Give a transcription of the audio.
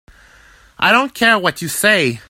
I don't care what you say.